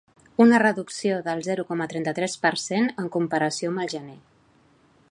Una reducció del zero coma trenta-tres per cent en comparació amb el gener.